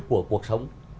của cuộc sống